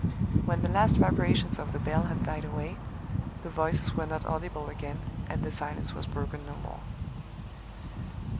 When the last vibrations of the bell had died away, the voices were not audible again, and the silence was broken no more.